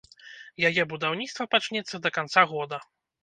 Яе будаўніцтва пачнецца да канца года.